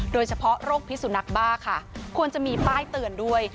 โดยเฉพาะโรคพิสุนักบ้าค่ะควรจะมีป้ายเตือนด้วย